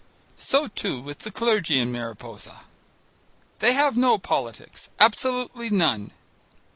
So, too, with the clergy in Mariposa. They have no politics absolutely none.